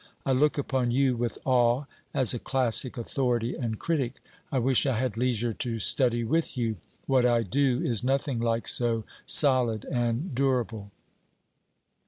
I look upon you with awe as a classic authority and critic. I wish I had leisure to study with you. What I do is nothing like so solid and durable.